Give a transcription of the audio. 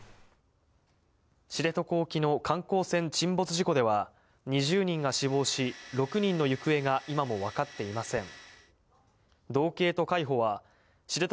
知床沖の観光船沈没事故では、２０人が死亡し、６人の行方が今も分かっていません。